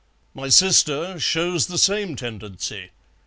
My sister shows the same tendency.